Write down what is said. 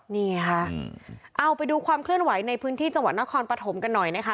นี่ไงค่ะเอาไปดูความเคลื่อนไหวในพื้นที่จังหวัดนครปฐมกันหน่อยนะคะ